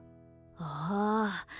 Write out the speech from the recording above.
ああ。